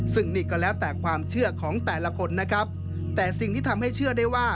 ซึ่งนี่ก็แล้วแต่ความเชื่อของแต่ละคนนะครับแต่สิ่งที่ทำให้เชื่อได้ว่า